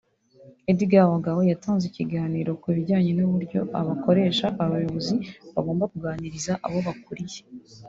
Edgar Ogao yatanze ikiganiro ku bijyanye n’uburyo abakoresha/abayobozi bagomba kuganiriza abo bakuriye